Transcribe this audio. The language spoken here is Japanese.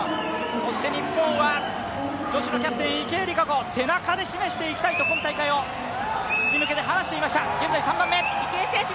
そして日本は女子のキャプテン・池江璃花子、背中で示していきたいと今大会に向けて話していました。